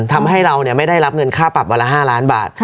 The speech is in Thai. ทำให้เราไม่ได้รับเงินค่าปรับวันละ๕ล้านบาท